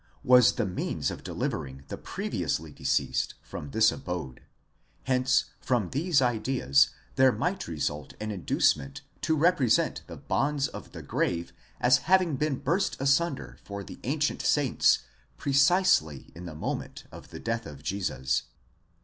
was the means of delivering the previously deceased from this abode ; 3 hence from these ideas there might result an inducement to represent the bonds of the grave as having been burst asunder for the _ ancient saints precisely in the moment of the death of Jesus.